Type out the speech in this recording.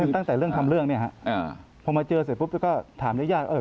ตั้งแต่เรื่องทำเรื่องเนี่ยครับพอมาเจอเสร็จปุ๊บก็ถามญาติ